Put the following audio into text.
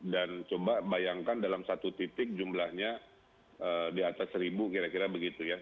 dan coba bayangkan dalam satu titik jumlahnya di atas seribu kira kira begitu ya